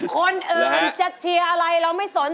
คนอื่นจะเชียร์อะไรเราไม่สน